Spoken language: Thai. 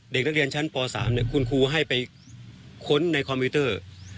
เด็กนักเรียนชั้นป๓คุณครูให้ไปค้นในคอมพิวเตอร์